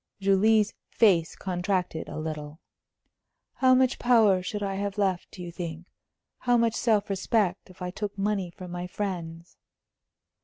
Julie's face contracted a little. "How much 'power' should I have left, do you think how much self respect if I took money from my friends?"